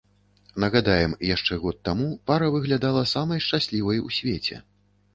Нагадаем, яшчэ год таму пара выглядала самай шчаслівай у свеце.